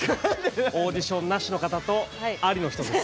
オーディションなしの方とありの人です。